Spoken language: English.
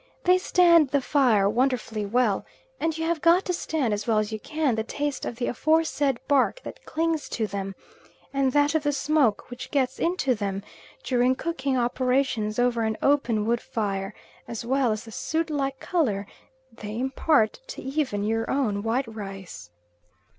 They stand the fire wonderfully well, and you have got to stand, as well as you can, the taste of the aforesaid bark that clings to them, and that of the smoke which gets into them during cooking operations over an open wood fire, as well as the soot like colour they impart to even your own white rice.